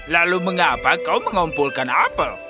lalu mengapa kau mengumpulkan apel